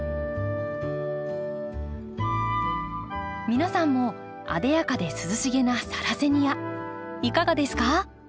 皆さんも艶やかで涼しげなサラセニアいかがですか？